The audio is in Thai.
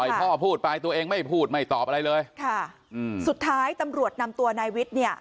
พ่อพูดไปตัวเองไม่พูดไม่ตอบอะไรเลยค่ะอืมสุดท้ายตำรวจนำตัวนายวิทย์เนี่ย